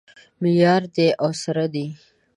معیاري دی او سره دی